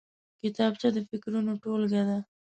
کتابچه د فکرونو ټولګه ده